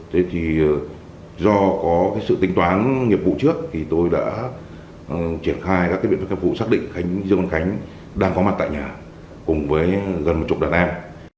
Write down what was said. thế thì do có sự tính toán nghiệp vụ trước thì tôi đã triển khai các cái biện pháp phụ xác định dương văn khánh đang có mặt tại nhà cùng với gần một chục đàn em